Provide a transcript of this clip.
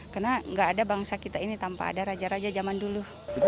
karena nggak ada bangsa kita ini tanpa ada raja raja zaman dulu